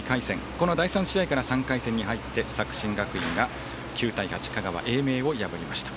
この第３試合から３回戦に入って作新学院が９対８、香川・英明を破りました。